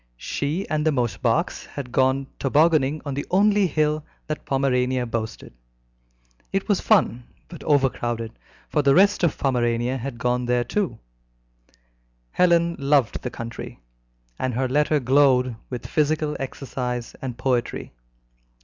She and the Mosebachs had gone tobogganing on the only hill that Pomerania boasted. It was fun, but overcrowded, for the rest of Pomerania had gone there too. Helen loved the country, and her letter glowed with physical exercise and poetry.